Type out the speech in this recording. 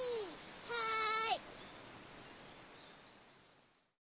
はい！